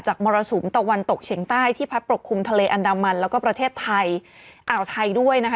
มรสุมตะวันตกเฉียงใต้ที่พัดปกคลุมทะเลอันดามันแล้วก็ประเทศไทยอ่าวไทยด้วยนะคะ